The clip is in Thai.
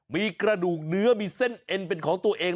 มีกระดูกเนื้อมีเส้นเอ็นเป็นของตัวเอง